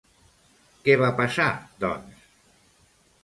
Què va passar, doncs?